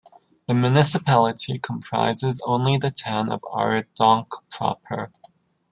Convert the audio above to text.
The municipality comprises only the town of Arendonk proper.